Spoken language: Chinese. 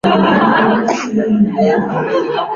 有时也会模仿其他鸟类的叫声。